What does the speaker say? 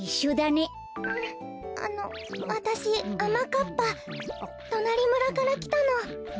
あのわたしあまかっぱ。となりむらからきたの。